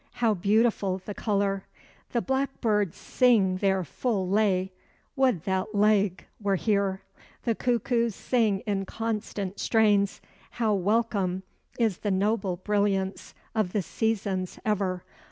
How beautiful the color! The blackbirds sing their full lay. Would that Læg were here! The cuckoos sing in constant strains. How welcome is the noble Brilliance of the seasons ever!